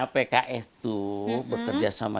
pks itu bekerja sama